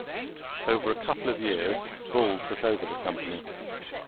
Over a couple of years, Bull took over the company.